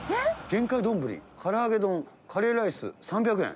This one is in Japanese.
限界どんぶりからあげ丼カレーライス３００円。